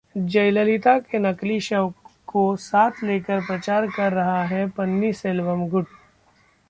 जयललिता के नकली शव को साथ लेकर प्रचार कर रहा है पन्नीरसेल्वम गुट